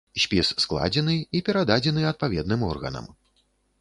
Спіс складзены і перададзены адпаведным органам.